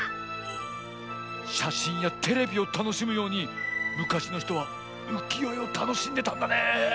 しゃしんやテレビをたのしむようにむかしのひとはうきよえをたのしんでたんだね。